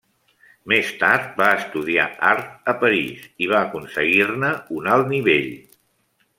Més tard va estudiar art a París i va aconseguir-ne un alt nivell.